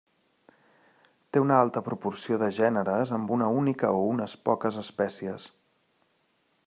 Té una alta proporció de gèneres amb una única o unes poques espècies.